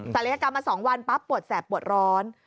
ลัยกรรมมา๒วันปั๊บปวดแสบปวดร้อน